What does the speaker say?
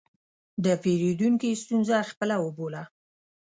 د پیرودونکي ستونزه خپله وبوله.